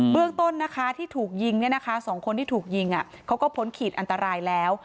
เรื่องต้นนะคะที่ถูกยิง๒คนที่ถูกยิงเขาก็พ้นขีดอันตรายแล้ว